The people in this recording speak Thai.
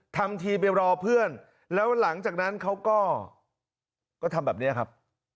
ทำทีไปรอเพื่อนแล้วหลังจากนั้นเขาก็ทำแบบนี้ครับ